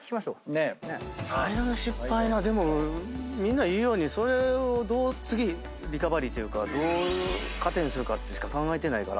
最大の失敗はみんな言うようにそれをどう次リカバリーというかどう糧にするかってしか考えてないから。